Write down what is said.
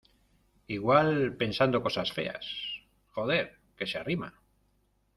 igual pensando cosas feas... joder, que se arrima .